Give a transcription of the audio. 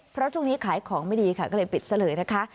เพราะช่วงนี้ขายของไม่ดีค่ะก็เลยปิดซะเลยนะคะ